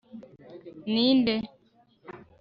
ninde